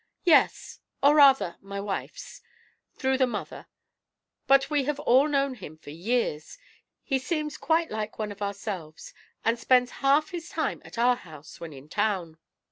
"Yes, or rather, my wife's, through the mother; but we have all known him for years, he seems quite like one of ourselves, and spends half his time at our house when in town.